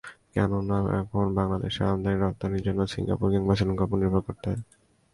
কেননা এখন বাংলাদেশের আমদানি-রপ্তানির জন্য সিঙ্গাপুর কিংবা শ্রীলঙ্কার ওপর নির্ভর করতে হয়।